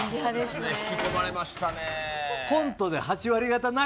引き込まれましたね。